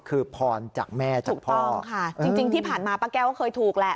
คือพรจากแม่จากพ่อค่ะจริงจริงที่ผ่านมาป้าแก้วก็เคยถูกแหละ